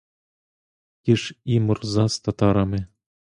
Ті ж і мурза з татарами.